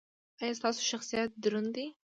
ایا ستاسو شخصیت دروند دی؟